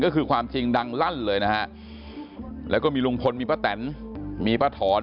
ก็คือความจริงดังลั่นเลยนะฮะแล้วก็มีลุงพลมีป้าแตนมีป้าถอน